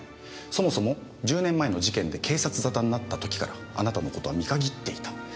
そもそも１０年前の事件で警察沙汰になった時からあなたの事は見限っていた。